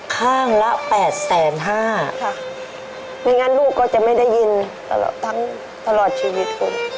ข้างละ๘๕๐๐๐๐๐บาทค่ะไม่งั้นลูกก็จะไม่ได้ยินตลอดชีวิต